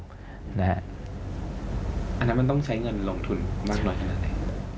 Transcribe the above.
อันนั้นมันต้องใช้เงินลงทุนมากน้อยขนาดไหน